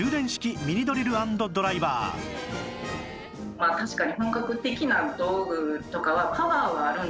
まあ確かに。